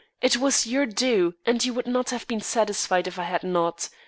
It was your due and you would not have been satisfied if I had not.